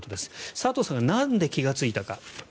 さとうさんがなんで気がついたか。